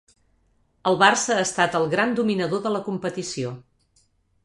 El Barça ha estat el gran dominador de la competició.